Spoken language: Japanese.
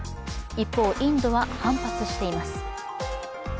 一方、インドは反発しています。